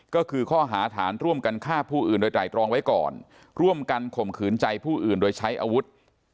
ก็คือข้อหาฐานร่วมกันฆ่าผู้อื่นโดยไตรตรองไว้ก่อนร่วมกันข่มขืนใจผู้อื่นโดยใช้อาวุธ